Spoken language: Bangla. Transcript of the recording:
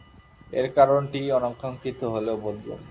এর কারণটি অনাকাঙ্ক্ষিত হলেও বোধগম্য।